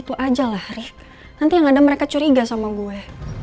itu aja lah rid nanti yang ada mereka curiga sama gue